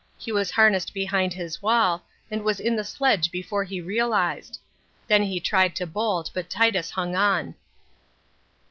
He was harnessed behind his wall and was in the sledge before he realised. Then he tried to bolt, but Titus hung on.